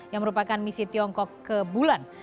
yang merupakan misi tiongkok ke bulan